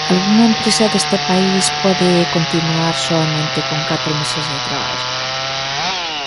¿Algunha empresa deste país pode continuar soamente con catro meses de traballo?